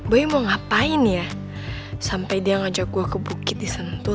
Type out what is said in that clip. boy mau ngapain ya sampai dia ngajak gue ke bukit di sentul